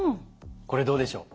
これどうでしょう？